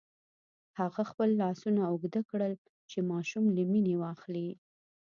هغه خپل لاسونه اوږده کړل چې ماشوم له مينې واخلي.